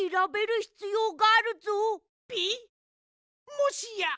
もしや！